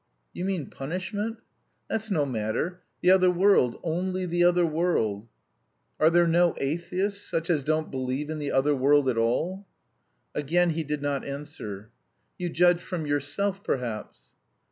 "You mean punishment?" "That's no matter. The other world; only the other world." "Are there no atheists, such as don't believe in the other world at all?" Again he did not answer. "You judge from yourself, perhaps."